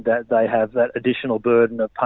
itu akan berarti mereka memiliki kelebihan tambahan